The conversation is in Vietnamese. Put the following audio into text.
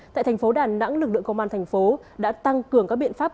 tại thành phố đà nẵng lực lượng công an thành phố đã tăng cường các biện pháp